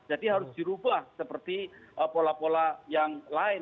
jadi harus dirubah seperti pola pola yang lain